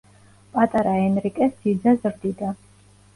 პატარა ენრიკეს ძიძა ზრდიდა.